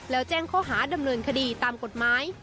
แล้วแจ้งข้อหาดำเนินคดีตามกฎหมาย